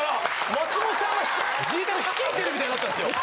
松本さんが自衛隊を率いてるみたいになってたんですよ。